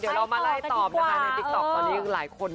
เดี๋ยวเรามาไล่ตอบนะคะในติ๊กต๊อกตอนนี้หลายคน